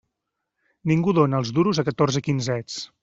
Ningú dóna els duros a catorze quinzets.